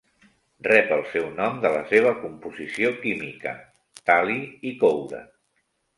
Rep el seu nom de la seva composició química: tal·li i coure.